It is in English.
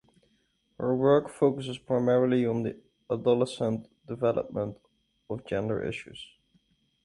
Her work focuses primarily on adolescent development and gender issues.